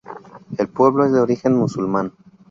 El pueblo es de origen musulmán.